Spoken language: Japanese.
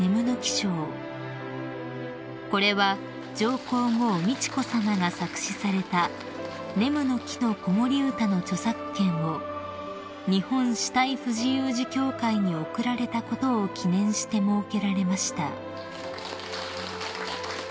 ［これは上皇后美智子さまが作詞された『ねむの木の子守歌』の著作権を日本肢体不自由児協会に贈られたことを記念して設けられました］